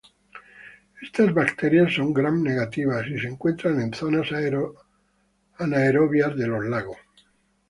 Estas bacterias son Gram negativas y se encuentran en zonas anaerobias de los lagos.